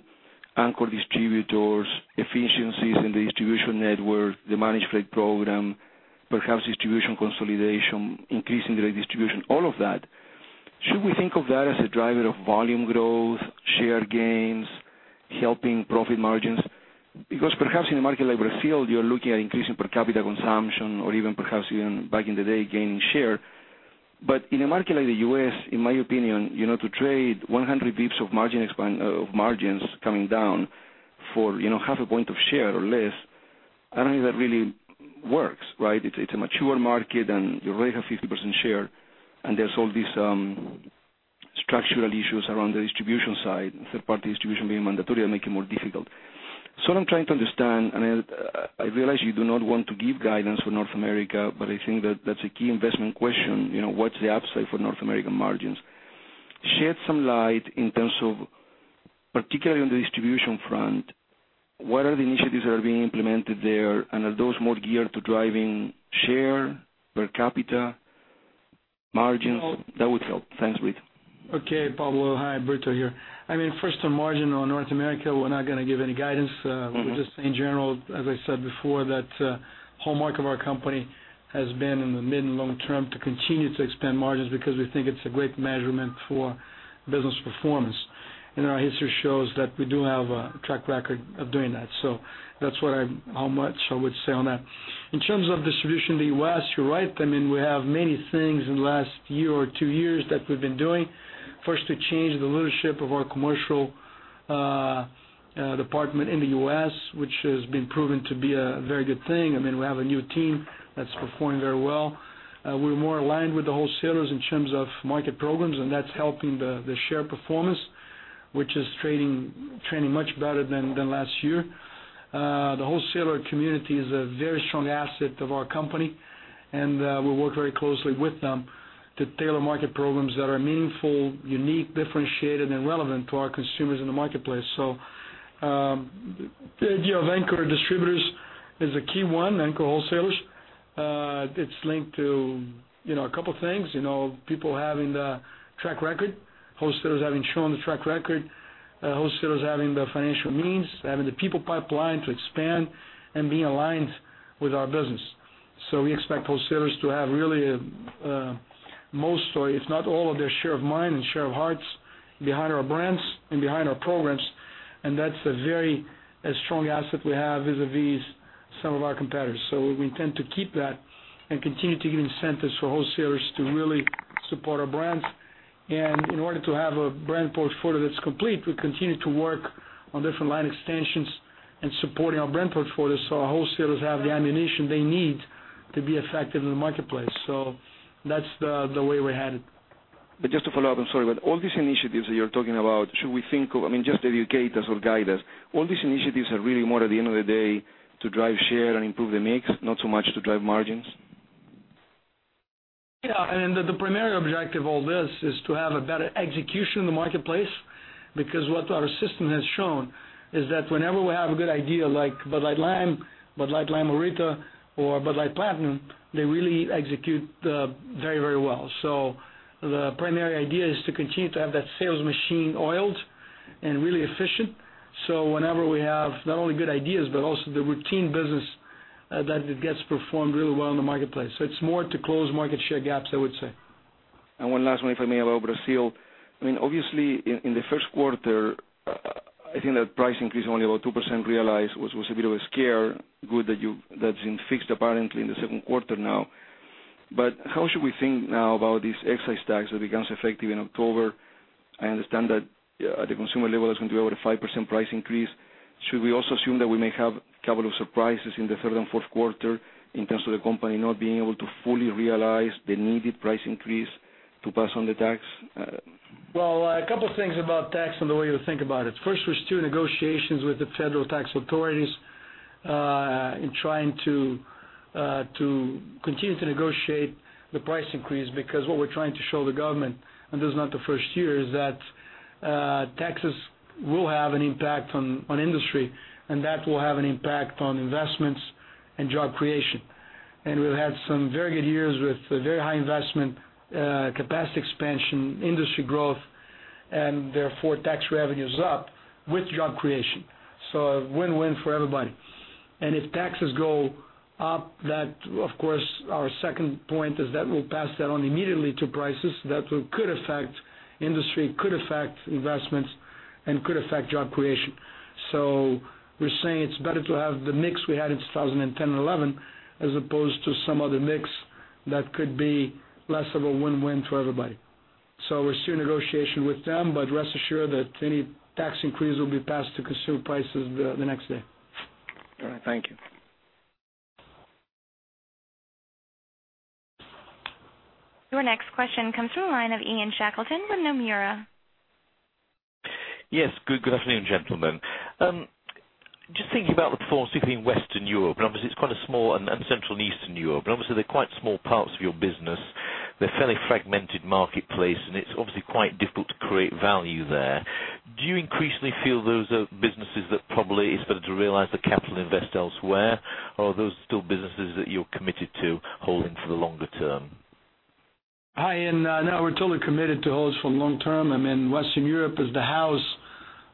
Anchor distributors, efficiencies in the distribution network, the managed fleet program, perhaps distribution consolidation, increasing the redistribution, all of that. Should we think of that as a driver of volume growth, share gains, helping profit margins? Perhaps in a market like Brazil, you're looking at increasing per capita consumption or even perhaps even back in the day, gaining share. In a market like the U.S., in my opinion, to trade 100 basis points of margins coming down for half a point of share or less, I don't think that really works, right? It's a mature market and you already have 50% share, and there's all these structural issues around the distribution side, third-party distribution being mandatory and make it more difficult. What I'm trying to understand, and I realize you do not want to give guidance for North America, I think that's a key investment question. What's the upside for North American margins? Shed some light in terms of, particularly on the distribution front, what are the initiatives that are being implemented there, are those more geared to driving share, per capita, margins? That would help. Thanks, Brito. Okay, Pablo. Hi, Brito here. First, on margin on North America, we're not going to give any guidance. We're just saying general, as I said before, that hallmark of our company has been in the mid- and long-term to continue to expand margins because we think it's a great measurement for business performance. Our history shows that we do have a track record of doing that. That's how much I would say on that. In terms of distribution in the U.S., you're right. We have many things in the last year or 2 years that we've been doing. First, to change the leadership of our commercial department in the U.S., which has been proven to be a very good thing. We have a new team that's performing very well. We're more aligned with the wholesalers in terms of market programs, and that's helping the share performance, which is trending much better than last year. The wholesaler community is a very strong asset of our company, and we work very closely with them to tailor market programs that are meaningful, unique, differentiated, and relevant to our consumers in the marketplace. The idea of Anchor distributors is a key one, Anchor wholesalers. It's linked to a couple of things. People having the track record, wholesalers having shown the track record, wholesalers having the financial means, having the people pipeline to expand and being aligned with our business. We expect wholesalers to have really, most or if not all of their share of mind and share of hearts behind our brands and behind our programs, and that's a very strong asset we have vis-a-vis some of our competitors. We intend to keep that and continue to give incentives for wholesalers to really support our brands. In order to have a brand portfolio that's complete, we continue to work on different line extensions and supporting our brand portfolio so our wholesalers have the ammunition they need to be effective in the marketplace. That's the way we're headed. Just to follow up, I'm sorry, but all these initiatives that you're talking about, just educate us or guide us. All these initiatives are really more at the end of the day to drive share and improve the mix, not so much to drive margins? The primary objective of all this is to have a better execution in the marketplace, because what our system has shown is that whenever we have a good idea, like Bud Light Lime, Bud Light Lime-A-Rita, or Bud Light Platinum, they really execute very well. The primary idea is to continue to have that sales machine oiled and really efficient. Whenever we have not only good ideas but also the routine business, that it gets performed really well in the marketplace. It's more to close market share gaps, I would say. One last one for me about Brazil. Obviously, in the first quarter, I think that price increase only about 2% realized was a bit of a scare. Good that's been fixed apparently in the second quarter now. How should we think now about these excise tax that becomes effective in October? I understand that at the consumer level, it's going to be over a 5% price increase. Should we also assume that we may have a couple of surprises in the third and fourth quarter in terms of the company not being able to fully realize the needed price increase to pass on the tax? A couple things about tax and the way to think about it. First, we're still in negotiations with the federal tax authorities, in trying to continue to negotiate the price increase because what we're trying to show the government, and this is not the first year, is that taxes will have an impact on industry and that will have an impact on investments and job creation. We've had some very good years with very high investment, capacity expansion, industry growth, and therefore tax revenue is up with job creation. A win-win for everybody. If taxes go up, of course, our second point is that we'll pass that on immediately to prices that could affect industry, could affect investments, and could affect job creation. We're saying it's better to have the mix we had in 2010 and 2011, as opposed to some other mix that could be less of a win-win for everybody. We're still in negotiation with them, but rest assured that any tax increase will be passed to consumer prices the next day. All right. Thank you. Your next question comes from the line of Ian Shackleton from Nomura. Yes. Good afternoon, gentlemen. Just thinking about the performance between Western Europe, and obviously it's quite small, and Central and Eastern Europe, but obviously they're quite small parts of your business. They're a fairly fragmented marketplace, and it's obviously quite difficult to create value there. Do you increasingly feel those are businesses that probably it's better to realize the capital and invest elsewhere? Are those still businesses that you're committed to holding for the longer term? Hi, Ian. We're totally committed to host for the long term. Western Europe is the house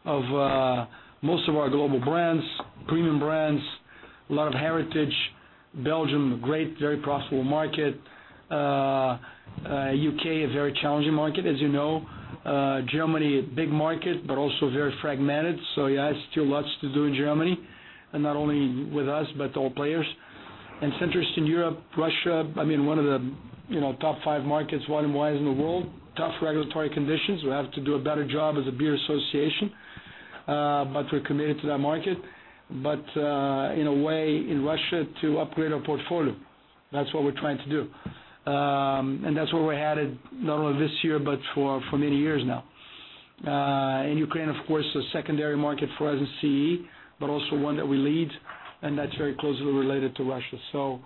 of most of our global brands, premium brands, lot of heritage. Belgium, great, very profitable market. U.K., a very challenging market, as you know. Germany, a big market, but also very fragmented. Still lots to do in Germany, and not only with us, but all players. Central and Eastern Europe, Russia, one of the top 5 markets, volume and size in the world, tough regulatory conditions. We have to do a better job as a beer association. We're committed to that market. In a way, in Russia, to upgrade our portfolio. That's what we're trying to do. That's where we're headed not only this year, but for many years now. In Ukraine, of course, a secondary market for us in CE, but also one that we lead, that's very closely related to Russia.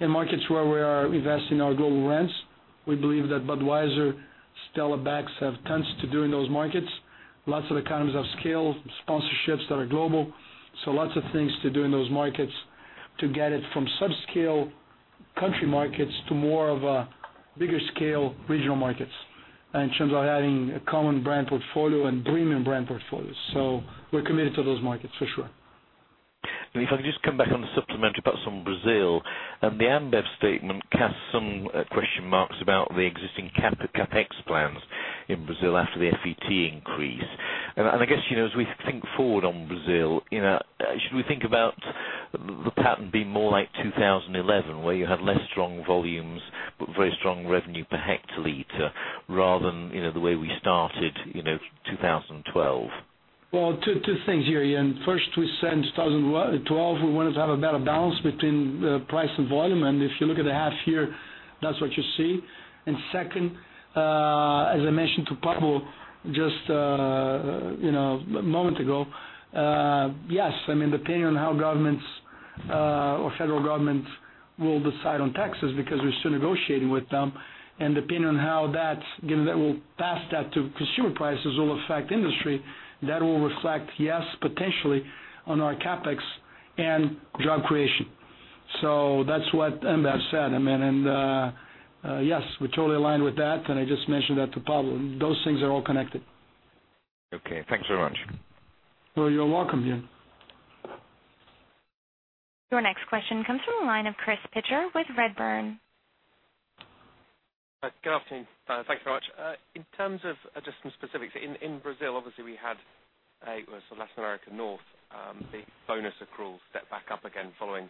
In markets where we are investing our global brands, we believe that Budweiser, Stella Artois, Beck's have tons to do in those markets. Lots of economies of scale, sponsorships that are global. Lots of things to do in those markets to get it from sub-scale country markets to more of a bigger scale regional markets. In terms of having a common brand portfolio and premium brand portfolios. We're committed to those markets for sure. If I could just come back on the supplementary parts on Brazil, the Ambev statement cast some question marks about the existing CapEx plans in Brazil after the FET increase. I guess, as we think forward on Brazil, should we think about the pattern being more like 2011, where you had less strong volumes but very strong revenue per hectoliter rather than the way we started 2012? Two things here, Ian. First, we said in 2012, we wanted to have a better balance between price and volume. If you look at the half year, that's what you see. Second, as I mentioned to Pablo just a moment ago, yes. Depending on how governments or federal governments will decide on taxes, because we're still negotiating with them, depending on how that will pass that to consumer prices will affect industry, that will reflect, yes, potentially on our CapEx and job creation. That's what Ambev said. We're totally aligned with that, I just mentioned that to Pablo. Those things are all connected. Okay. Thanks very much. You're welcome, Ian. Your next question comes from the line of Chris Pitcher with Redburn. Good afternoon. Thanks very much. In terms of just some specifics, in Brazil, obviously we had a, so Latin America North, the bonus accruals set back up again following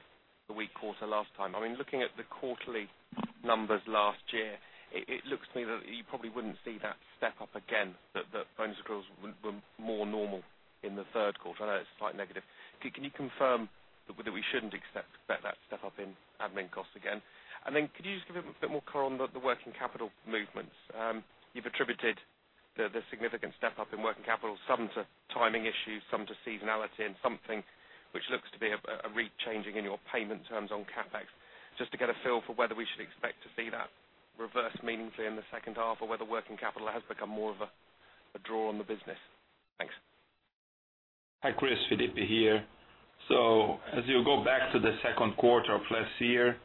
the weak quarter last time. Looking at the quarterly numbers last year, it looks to me that you probably wouldn't see that step up again, that bonus accruals were more normal in the third quarter. I know that's a slight negative. Can you confirm that we shouldn't expect that step-up in admin costs again? Then could you just give a bit more color on the working capital movements? You've attributed the significant step-up in working capital, some to timing issues, some to seasonality, and something which looks to be a re-changing in your payment terms on CapEx. Just to get a feel for whether we should expect to see that reverse meaningfully in the second half or whether working capital has become more of a draw on the business. Thanks. Hi, Chris, Felipe here. As you go back to the second quarter of last year,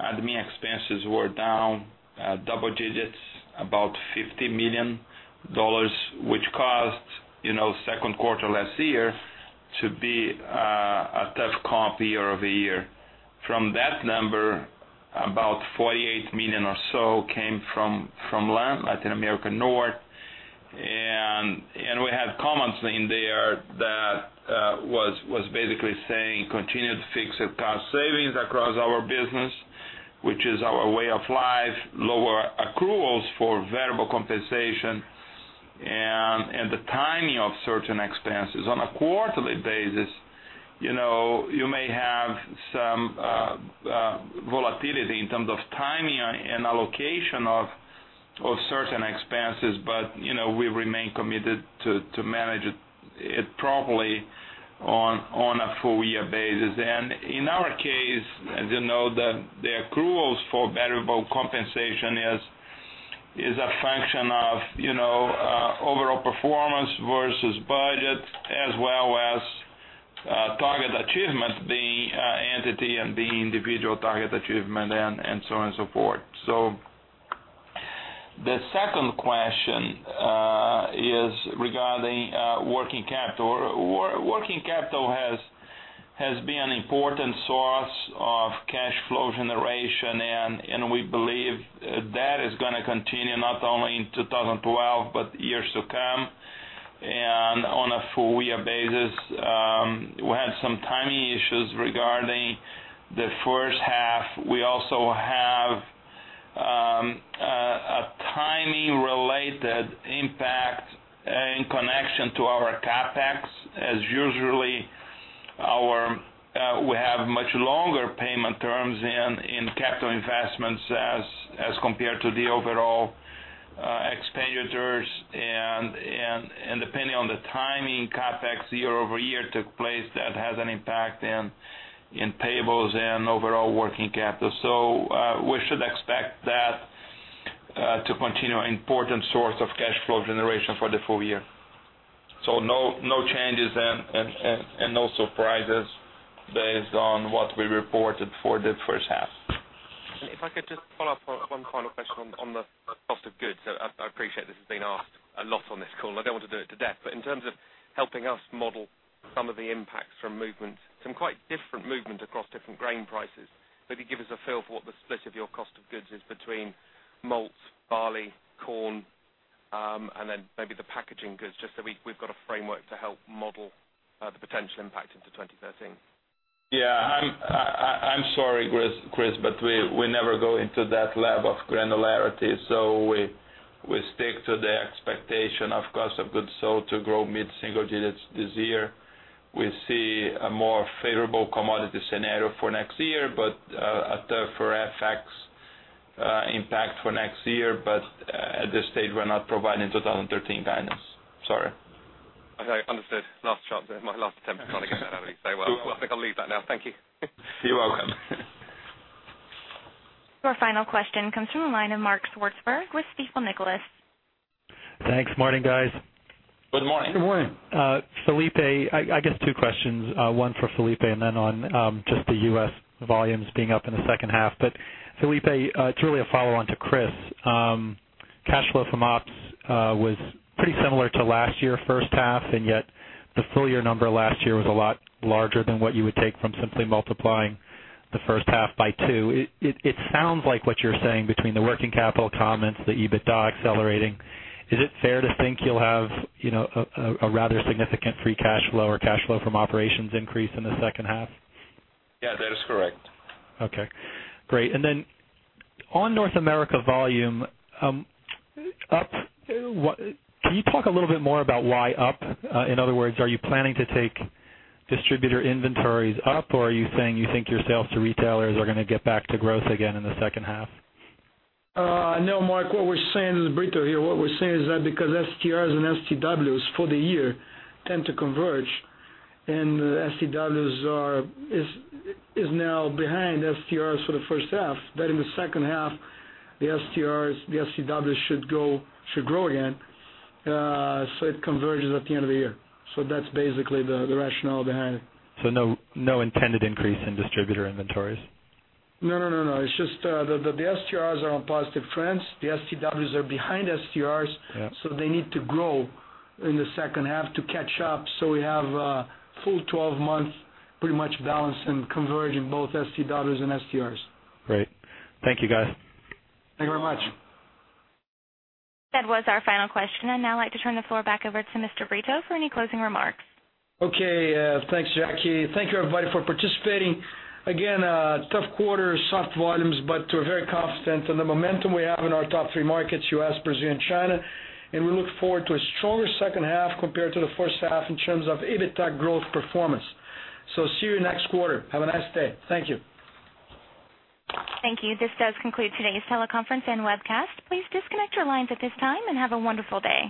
admin expenses were down double digits, about $50 million, which caused second quarter last year to be a tough comp year-over-year. From that number, about $48 million or so came from Latin America North. We had comments in there that was basically saying continued fixed cost savings across our business, which is our way of life, lower accruals for variable compensation, and the timing of certain expenses. On a quarterly basis, you may have some volatility in terms of timing and allocation of certain expenses, we remain committed to manage it properly on a full year basis. In our case, as you know, the accruals for variable compensation is a function of overall performance versus budget as well as target achievement, the entity and the individual target achievement and so on and so forth. The second question is regarding working capital. Working capital has been an important source of cash flow generation, and we believe that is going to continue not only in 2012 but years to come. On a full year basis, we had some timing issues regarding the first half. We also have a timing-related impact in connection to our CapEx, as usually we have much longer payment terms in capital investments as compared to the overall expenditures. Depending on the timing, CapEx year-over-year took place, that has an impact in payables and overall working capital. We should expect An important source of cash flow generation for the full year. No changes and no surprises based on what we reported for the first half. If I could just follow up on one final question on the cost of goods. I appreciate this has been asked a lot on this call. I don't want to do it to death, in terms of helping us model some of the impacts from movements, some quite different movement across different grain prices. Maybe give us a feel for what the split of your cost of goods is between malts, barley, corn, and then maybe the packaging goods, just so we've got a framework to help model the potential impact into 2013. Yeah. I'm sorry, Chris, we never go into that level of granularity. We stick to the expectation of cost of goods sold to grow mid-single digits this year. We see a more favorable commodity scenario for next year, a tougher FX impact for next year. At this stage, we're not providing 2013 guidance. Sorry. Okay, understood. Last shot there. My last attempt trying to get that out of you. I think I'll leave that now. Thank you. You're welcome. Our final question comes from the line of Mark Swartzberg with Stifel, Nicolaus. Thanks. Morning, guys. Good morning. Good morning. Felipe, I guess two questions, one for Felipe and then on just the U.S. volumes being up in the second half. Felipe, it's really a follow-on to Chris. Cash flow from ops was pretty similar to last year first half, and yet the full year number last year was a lot larger than what you would take from simply multiplying the first half by two. It sounds like what you're saying between the working capital comments, the EBITDA accelerating, is it fair to think you'll have a rather significant free cash flow or cash flow from operations increase in the second half? Yeah, that is correct. Okay, great. Then on North America volume, can you talk a little bit more about why up? In other words, are you planning to take distributor inventories up, or are you saying you think your Sales to retailers are going to get back to growth again in the second half? No, Mark, this is Brito here. What we're saying is that because STRs and STWs for the year tend to converge, and STWs is now behind STRs for the first half, that in the second half, the STWs should grow again, it converges at the end of the year. That's basically the rationale behind it. No intended increase in distributor inventories? No, no. It's just the STRs are on positive trends. The STWs are behind STRs. Yeah They need to grow in the second half to catch up. We have a full 12 months pretty much balanced and converging both STWs and STRs. Great. Thank you, guys. Thank you very much. That was our final question, and I'd now like to turn the floor back over to Mr. Brito for any closing remarks. Okay. Thanks, Jackie. Thank you, everybody, for participating. Again, tough quarter, soft volumes, but we're very confident in the momentum we have in our top three markets, U.S., Brazil, and China, and we look forward to a stronger second half compared to the first half in terms of EBITDA growth performance. See you next quarter. Have a nice day. Thank you. Thank you. This does conclude today's teleconference and webcast. Please disconnect your lines at this time and have a wonderful day.